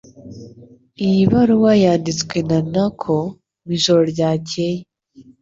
Iyi baruwa yanditswe na Naoko mwijoro ryakeye